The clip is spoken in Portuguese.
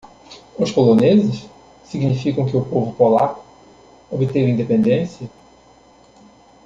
Os poloneses? significam que o povo polaco? obteve independência.